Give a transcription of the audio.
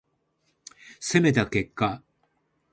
攻めた結果